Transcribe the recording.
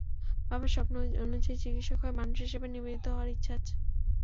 বাবার স্বপ্ন অনুযায়ী চিকিৎসক হয়ে মানুষের সেবায় নিবেদিত হওয়ার ইচ্ছে আছে।